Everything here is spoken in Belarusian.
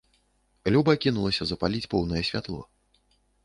Люба кінулася запаліць поўнае святло.